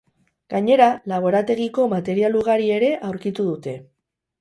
Gainera, laborategiko material ugari ere aurkitu dute.